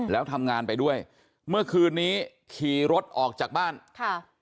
แล้วทำงานไปด้วยเมื่อคืนนี้ขี่รถออกจากบ้านค่ะ